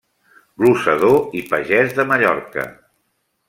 Glosador i pagès de Mallorca.